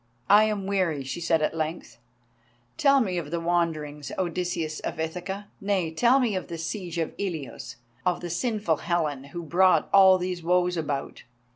"I am weary," she said, at length. "Tell me of the wanderings, Odysseus of Ithaca—nay, tell me of the siege of Ilios and of the sinful Helen, who brought all these woes about.